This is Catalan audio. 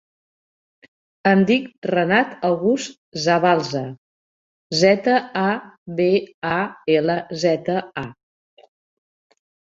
Em dic Renat August Zabalza: zeta, a, be, a, ela, zeta, a.